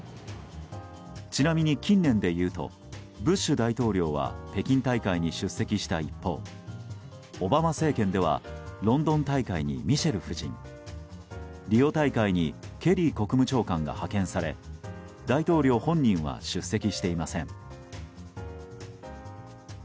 ちなみに近年でいうとブッシュ大統領は北京大会に出席した一方オバマ政権ではロンドン大会にミシェル夫人リオ大会にケリー国務長官が派遣され大統領本人は出席していません。